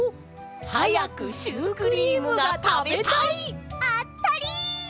はやくシュークリームがたべたい！あたり！